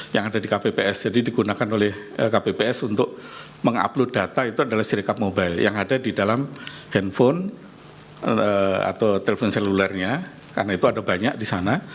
yang ada di kpps jadi digunakan oleh kpps untuk mengupload data itu adalah serikat mobile yang ada di dalam handphone atau telepon selulernya karena itu ada banyak di sana